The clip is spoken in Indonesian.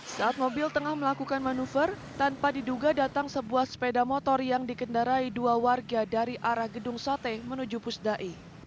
saat mobil tengah melakukan manuver tanpa diduga datang sebuah sepeda motor yang dikendarai dua warga dari arah gedung sate menuju pusdai